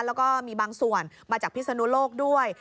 แล้วก็มีบางส่วนมาจากพิศนุโลกด้วย